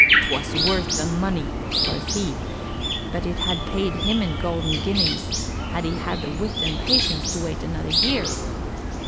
''Twas worth the money,' quoth he; but it had paid him in golden guineas had he had the wit and patience to wait another year."